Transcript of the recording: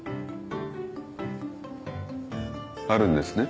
あるんですね。